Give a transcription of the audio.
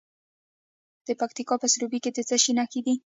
د پکتیکا په سروبي کې د څه شي نښې دي؟